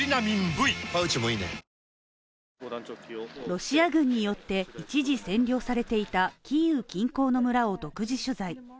ロシア軍によって一時占領されていたキーウ近郊の村を独自取材。